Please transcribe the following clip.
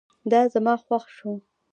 دا زما خوښ شو